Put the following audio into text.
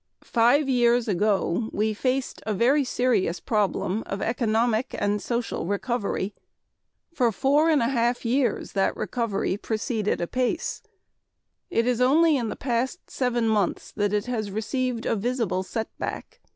Five years ago we faced a very serious problem of economic and social recovery. For four and a half years that recovery proceeded apace. It is only in the past seven months that it has received a visible setback.